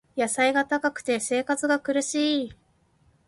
野菜が高くて生活が苦しい